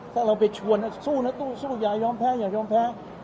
ถ้าเราไปชวนสู้นะสู้อย่ายอมแพ้อย่ายอมแพ้